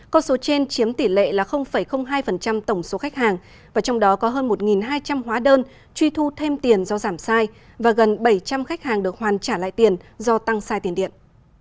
con số trên chiếm tỷ lệ là hai tổng số khách hàng và trong đó có hơn một hai trăm linh hóa đơn truy thu thêm tiền do giảm sai và gần bảy trăm linh khách hàng được hoàn trả lại tiền do tăng sai tiền điện